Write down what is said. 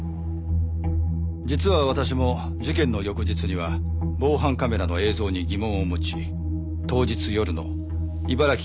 実は私も事件の翌日には防犯カメラの映像に疑問を持ち当日夜の茨城